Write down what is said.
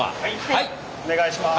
はいお願いします。